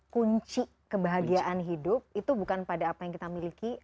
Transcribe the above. kunci kebahagiaan hidup itu bukan pada apa yang kita miliki